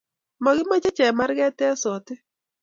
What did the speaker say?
Makimache chemarket en Sotik